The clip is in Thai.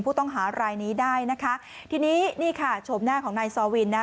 ผู้ต้องหารายนี้ได้นะคะทีนี้นี่ค่ะโฉมหน้าของนายซอวินนะ